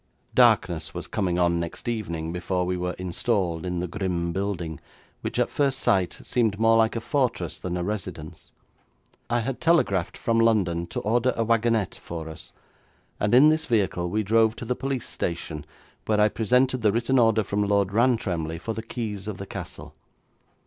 Darkness was coming on next evening before we were installed in the grim building, which at first sight seemed more like a fortress than a residence. I had telegraphed from London to order a wagonette for us, and in this vehicle we drove to the police station, where I presented the written order from Lord Rantremly for the keys of the castle.